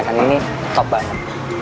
kan ini top banget